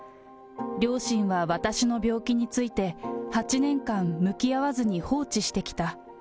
両親は私の病気について８年間、向き合わずに放置してきた。